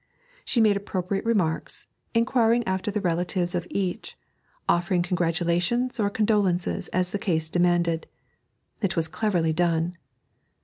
She made appropriate remarks, inquiring after the relatives of each, offering congratulations or condolences as the case demanded. It was cleverly done.